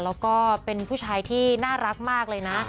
แล้วก็เป็นผู้ชายที่น่ารักมากเลยนะ